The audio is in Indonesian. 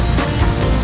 jadi kita mulai